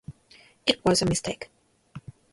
It was a mistake.